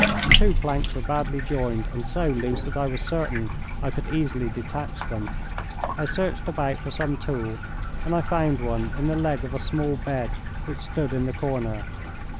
Two planks were badly joined, and so loose that I was certain I could easily detach them. I searched about for some tool, and I found one in the leg of a small bed which stood in the corner.